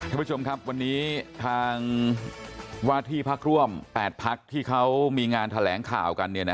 ท่านผู้ชมครับวันนี้ทางว่าที่พักร่วม๘พักที่เขามีงานแถลงข่าวกัน